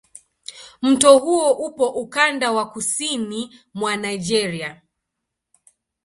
Mto huo upo ukanda wa kusini mwa Nigeria.